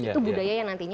itu budaya yang nantinya